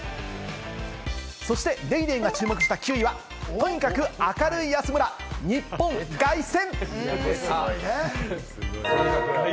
そして『ＤａｙＤａｙ．』が注目した９位は、とにかく明るい安村、日本凱旋。